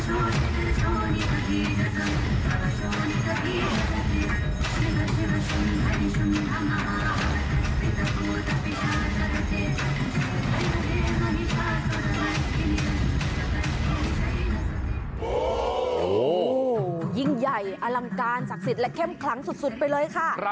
โอ้โหยิ่งใหญ่อลังการศักดิ์สิทธิ์และเข้มขลังสุดไปเลยค่ะ